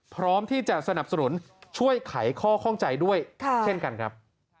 พร้อมที่จะสนับสนุนช่วยไขข้อข้องใจด้วยเช่นกันครับ